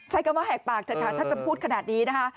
ใช้คำว่าแหกปากเถอะค่ะถ้าจะพูดขนาดนี้นะคะ